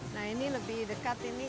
nah ini lebih dekat ini